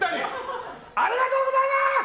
ありがとうございます！